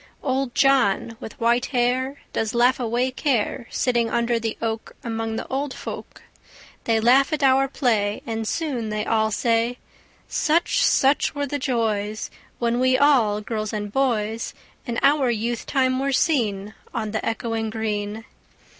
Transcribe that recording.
Old John, with white hair, Does laugh away care, Sitting under the oak, Among the old folk. They laugh at our play, And soon they all say, 'Such, such were the joys When we all—girls and boys— In our youth time were seen On the echoing green.